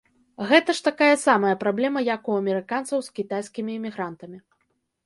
А гэта ж такая самая праблема, як у амерыканцаў з кітайскімі імігрантамі.